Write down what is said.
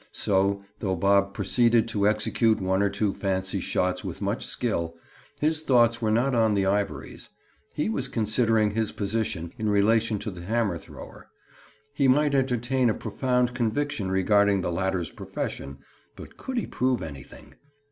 So, though Bob proceeded to execute one or two fancy shots with much skill, his thoughts were not on the ivories. He was considering his position in relation to the hammer thrower. He (Bob) might entertain a profound conviction regarding the latter's profession, but could he prove anything?